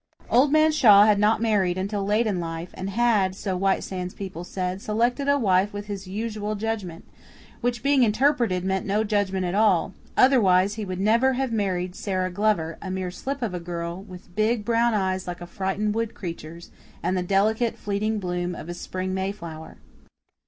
Old Man Shaw had not married until late in life, and had, so White Sands people said, selected a wife with his usual judgment which, being interpreted, meant no judgment at all; otherwise, he would never have married Sara Glover, a mere slip of a girl, with big brown eyes like a frightened wood creature's, and the delicate, fleeting bloom of a spring Mayflower.